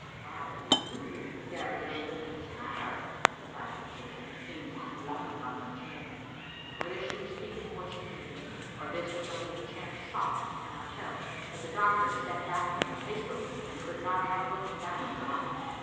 "Why do you carry a woman's hair," replied the Egyptian, " in that locket on your chain?" Whether she was speaking of what she knew, or this was only a chance shot, I cannot tell, but the doctor stepped back from her hastily, and could not help look ing down at the locket.